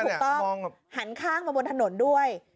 ถูกต้องหันข้างมาบนถนนด้วย